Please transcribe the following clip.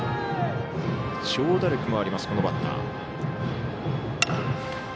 長打力もあります、このバッター。